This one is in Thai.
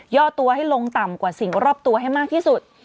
่อตัวให้ลงต่ำกว่าสิ่งรอบตัวให้มากที่สุด